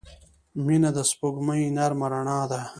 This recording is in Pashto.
• مینه د سپوږمۍ نرمه رڼا ده.